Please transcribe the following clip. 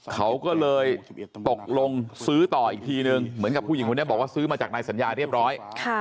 เขาก็เลยตกลงซื้อต่ออีกทีนึงเหมือนกับผู้หญิงคนนี้บอกว่าซื้อมาจากนายสัญญาเรียบร้อย